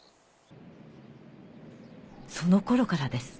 その頃からです